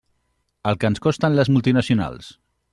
El que ens costen les multinacionals.